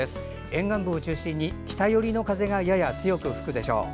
沿岸部を中心に北寄りの風がやや強く吹くでしょう。